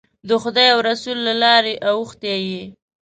د خدای او رسول له لارې اوښتی یې.